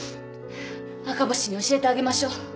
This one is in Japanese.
赤星に教えてあげましょう。